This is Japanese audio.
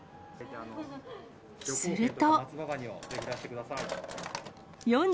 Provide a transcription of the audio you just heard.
すると。